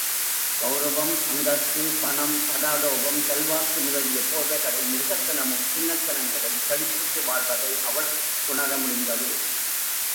கௌரவம், அந்தஸ்து, பணம், படாடோபம், செல்வாக்கு முதலிய போர்வைகளில் மிருகத்தனமும், சின்னத்தனங்களும், செழிப்புற்று வாழ்வதை அவள் உணர முடிந்தது.